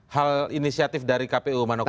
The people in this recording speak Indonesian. hal inisiatif dari kpu manoki